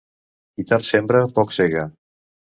Qui tard sembra poc sega.